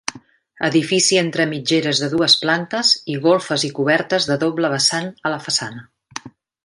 Edifici entre mitgeres de dues plantes i golfes i coberta de doble vessant a façana.